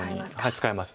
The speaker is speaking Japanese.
使えます。